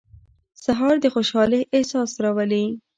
سهار د خوشحالۍ احساس راولي.